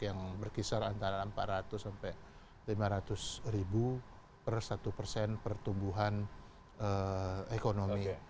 yang berkisar antara empat ratus sampai lima ratus persatu persen pertumbuhan ekonomi